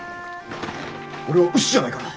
俺は牛じゃないから。